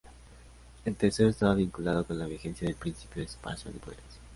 El tercero estaba vinculado con la vigencia del principio de separación de poderes.